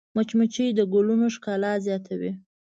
مچمچۍ د ګلونو ښکلا زیاتوي